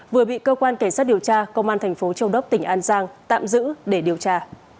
vừa bị cơ quan cảnh sát điều tra công an thành phố châu đốc tỉnh an giang tạm giữ để điều tra